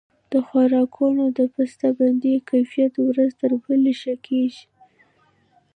د خوراکونو د بسته بندۍ کیفیت ورځ تر بلې ښه کیږي.